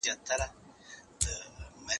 زه به سبا د ليکلو تمرين وکړم!!